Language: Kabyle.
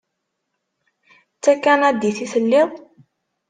D takanadit i telliḍ?